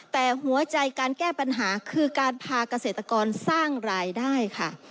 แต่หัวใจการแก้ปัญหาคือการพาเกษตรกรสร้างรายได้ค่ะ